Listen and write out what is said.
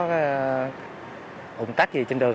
hùng tách gì trên đường